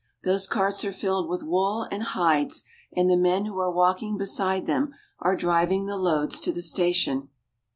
Those carts are filled with wool and hides, and the men who are walking beside them are driving the loads to the station.